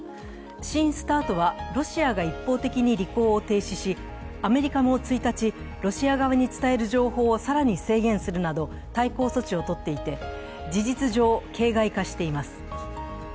新ＳＴＡＲＴはロシアが一方的に履行を停止し、アメリカも１日、ロシア側に伝える情報を更に制限するなど対抗措置をとっていて、事実上、形骸化しています。